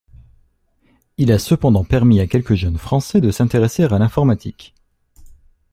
Il a cependant permis à quelques jeunes Français de s'intéresser à l'informatique.